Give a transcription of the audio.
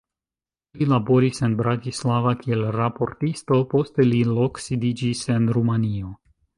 Li laboris en Bratislava kiel raportisto, poste li loksidiĝis en Rumanio.